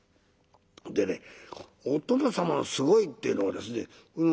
でねお殿様のすごいっていうのはですね